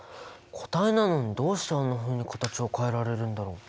固体なのにどうしてあんなふうに形を変えられるんだろう？